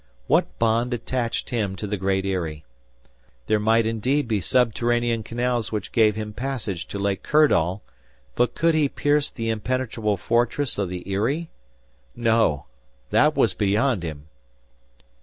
What bond attached him to the Great Eyrie? There might indeed be subterranean canals which gave him passage to Lake Kirdall, but could he pierce the impenetrable fortress of the Eyrie? No! That was beyond him!